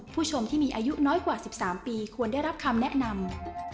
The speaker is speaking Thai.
ผู้ชมที่มีอายุน้อยกว่า๑๓ปีควรได้รับคำแนะนำ